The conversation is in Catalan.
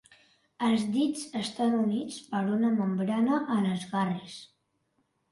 El dits estan units per una membrana a les garres.